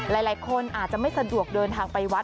หลายคนอาจจะไม่สะดวกเดินทางไปวัด